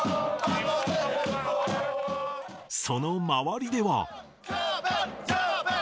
その周りでは。